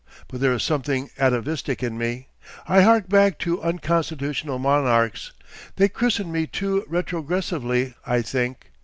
But there is something atavistic in me; I hark back to unconstitutional monarchs. They christened me too retrogressively, I think.